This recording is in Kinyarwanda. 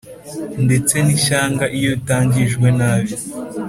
ndetse n ishyanga iyo itangijwe nabi